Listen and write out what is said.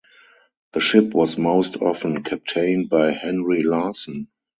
The ship was most often captained by Henry Larsen.